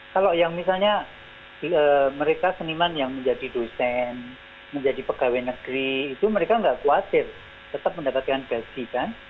kalau yang misalnya mereka seniman yang menjadi dosen menjadi pegawai negeri itu mereka nggak khawatir tetap mendapatkan gaji kan